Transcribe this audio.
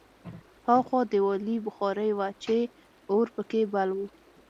هاخوا دېوالي بخارۍ وه چې اور پکې بل و